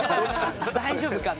「大丈夫か？」